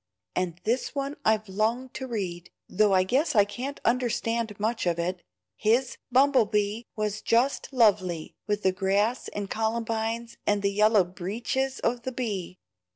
And this one I've longed to read, though I guess I can't understand much of it. His 'Bumble Bee' was just lovely; with the grass and columbines and the yellow breeches of the bee.